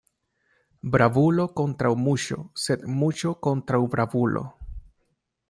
Bravulo kontraŭ muŝo, sed muŝo kontraŭ bravulo.